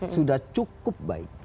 sudah cukup baik